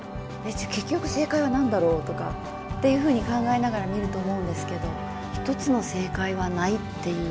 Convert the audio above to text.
じゃ結局正解は何だろうとかっていうふうに考えながら見ると思うんですけど１つの正解はないっていう。